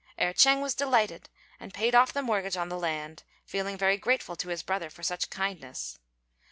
Erh ch'êng was delighted, and paid off the mortgage on the land, feeling very grateful to his brother for such kindness.